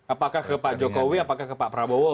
apakah ke pak jokowi apakah ke pak prabowo